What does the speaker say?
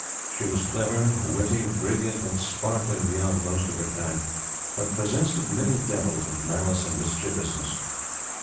She was clever, witty, brilliant, and sparkling beyond most of her kind; but possessed of many devils of malice and mischievousness.